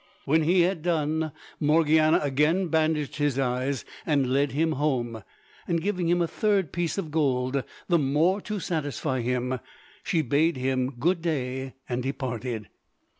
When he had done, Morgiana again bandaged his eyes and led him home, and giving him a third piece of gold the more to satisfy him, she bade him good day and departed.